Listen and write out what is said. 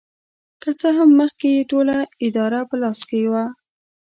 که څه هم مخکې یې ټوله اداره په لاس کې وه.